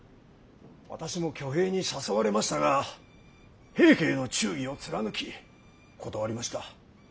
私も挙兵に誘われましたが平家への忠義を貫き断りました。